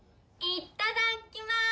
いっただっきます！